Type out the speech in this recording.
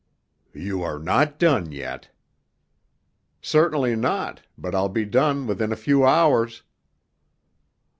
"You are not done yet." "Certainly not—but I'll be done within a few hours."